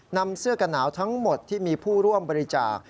นำเสื้อกระหนาวทั้งหมดที่มีผู้ร่วมบริจาค